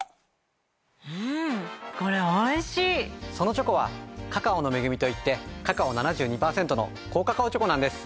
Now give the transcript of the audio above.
そのチョコは「カカオの恵み」といってカカオ７２％の高カカオチョコなんです。